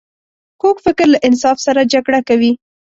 کوږ فکر له انصاف سره جګړه کوي